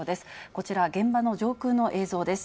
こちら、現場の上空の映像です。